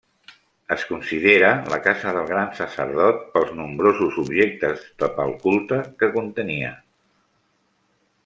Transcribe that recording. Es considera la casa del gran sacerdot pels nombrosos objectes pel culte que contenia.